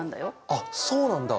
あっそうなんだ。